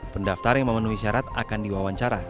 pendaftar yang memenuhi syarat akan diwawancara